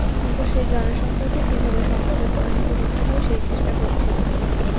কিন্তু সেই জনসংখ্যাকে কীভাবে সম্পদে পরিণত করতে হয়, সেই চেষ্টা করছি না।